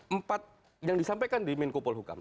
empat yang disampaikan di menkupol hukum